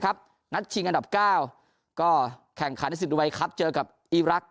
ครับนัดชิงอันดับ๙ก็แข่งขาณศิษย์วัยครับเจอกับอีรักษ์